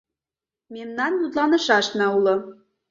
Мемнан мутланышашна уло...